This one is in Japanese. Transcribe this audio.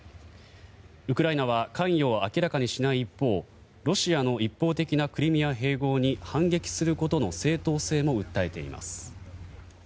ウクライナは関与を明らかにしない一方ロシアの一方的なクリミア併合に反撃することの正当性も訴えています。